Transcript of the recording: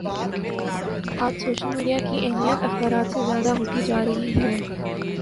آج social media کی اہمیت اخبارات سے زیادہ ہوتی جا رہی ہے